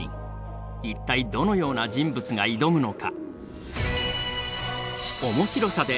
一体どのような人物が挑むのか。